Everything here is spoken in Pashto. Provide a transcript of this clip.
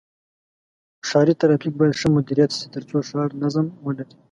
ښاري ترافیک باید ښه مدیریت شي تر څو ښار نظم ولري.